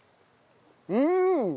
うん！